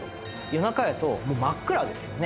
夜中やと真っ暗ですよね。